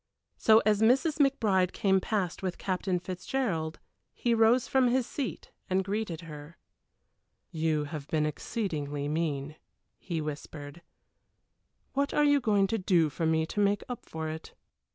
So as Mrs. McBride came past with Captain Fitzgerald, he rose from his seat and greeted her. "You have been exceedingly mean," he whispered. "What are you going to do for me to make up for it?"